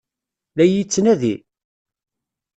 La iyi-yettnadi?